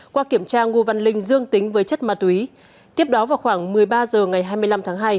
qua kiểm tra ngô văn linh dương tính với chất ma túy tiếp đó vào khoảng một mươi ba h ngày hai mươi năm tháng hai